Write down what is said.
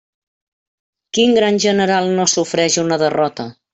Quin gran general no sofreix una derrota?